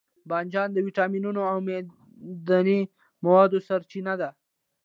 بانجان د ویټامینونو او معدني موادو سرچینه ده.